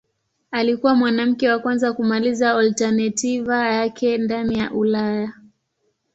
Alikuwa mwanamke wa kwanza kumaliza alternativa yake ndani ya Ulaya.